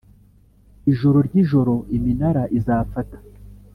ijoro ryijoro iminara izafata